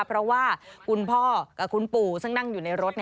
เพราะว่าคุณพ่อกับคุณปู่ซึ่งนั่งอยู่ในรถ